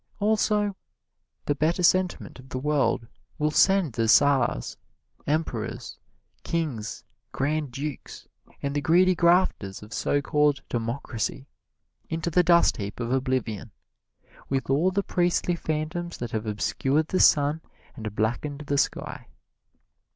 Also, the better sentiment of the world will send the czars, emperors, kings, grand dukes, and the greedy grafters of so called democracy, into the dust heap of oblivion, with all the priestly phantoms that have obscured the sun and blackened the sky.